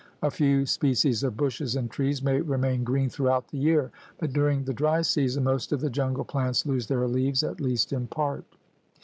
A few species of bushes and trees may remain green throughout the year, but during the dry season most of the jungle plants lose their leaves, at least in part.